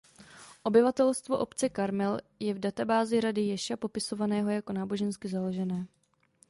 Obyvatelstvo obce Karmel je v databázi rady Ješa popisováno jako nábožensky založené.